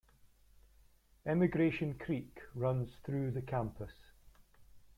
Emigration Creek runs through the campus.